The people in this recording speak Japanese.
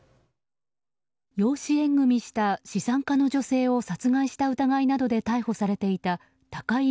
養子縁組した資産家の女性を殺害した疑いで逮捕されていた高井凜